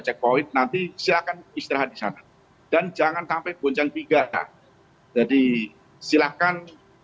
checkpoint nanti silakan istirahat di sana dan jangan sampai goncang tiga jadi silahkan